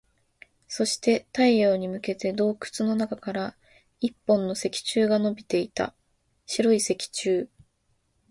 そして、太陽に向けて洞窟の中から一本の石柱が伸びていた。白い石柱。